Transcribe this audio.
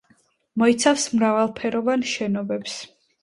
მოიცავს მრავალფეროვან შენობებს.